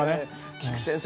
菊地先生